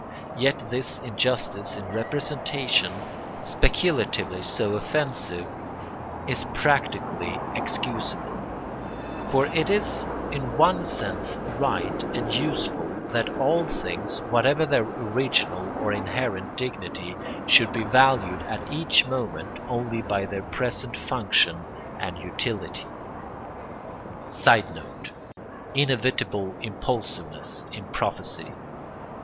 Yet this injustice in representation, speculatively so offensive, is practically excusable; for it is in one sense right and useful that all things, whatever their original or inherent dignity, should be valued at each moment only by their present function and utility. [Sidenote: Inevitable impulsiveness in prophecy.